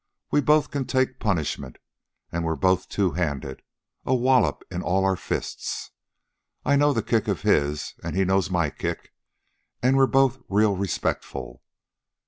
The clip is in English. We both can take punishment, an' we're both two handed, a wallop in all our fists. I know the kick of his, an' he knows my kick, an' we're both real respectful.